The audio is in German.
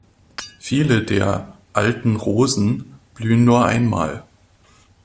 Viele der „Alten Rosen“ blühen nur einmal.